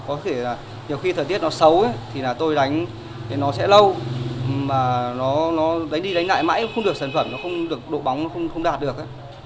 có thể là nhiều khi thời tiết nó xấu thì là tôi đánh thì nó sẽ lâu mà nó đánh đi đánh ngại mãi nó không được sản phẩm nó không được độ bóng nó không đạt được